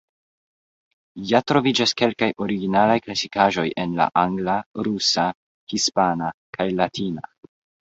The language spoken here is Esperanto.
Ja troviĝas kelkaj originalaj klasikaĵoj en la Angla, Rusa, Hispana kaj Latina.